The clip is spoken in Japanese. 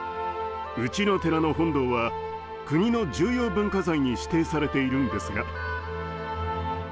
うちの寺の本堂は国の重要文化財に指定されているんですが。